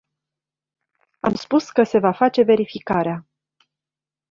Am spus că se va face verificarea.